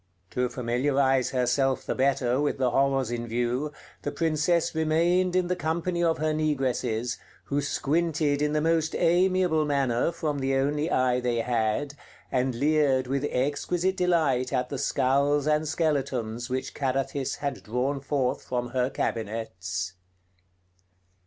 To familiarize herself the better with the horrors in view the Princess remained in the company of her negresses, who squinted in the most amiable manner from the only eye they had, and leered with exquisite delight at the skulls and skeletons which Carathis had drawn forth from her cabinets....